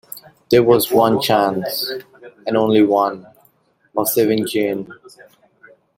There was one chance, and only one, of saving Jeanne.